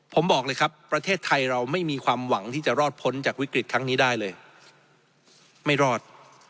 ผมบอกเลยครับประเทศไทยเราไม่มีความหวังที่จะรอดพ้นจากวิกฤตครั้งนี้ได้เลยไม่รอด